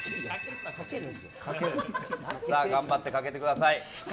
頑張ってかけてください。